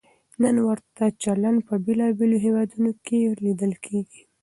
نن ورته چلند په بېلابېلو هېوادونو کې لیدل کېږي.